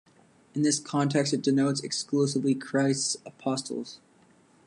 In this context it denotes exclusively Christ's apostles.